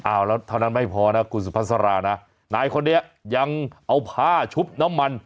อ้าวแล้วเท่านั้นไม่พอนะกุศพัสรานะนายคนเนี่ยยังเอาผ้าชุบน้ำมัน